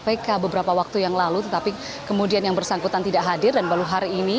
kpk beberapa waktu yang lalu tetapi kemudian yang bersangkutan tidak hadir dan baru hari ini